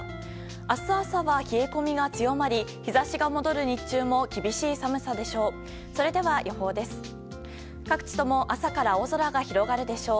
明日朝は冷え込みが強まり日差しが戻る日中も厳しい寒さでしょう。